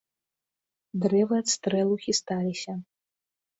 Дрэвы ад стрэлу хісталіся.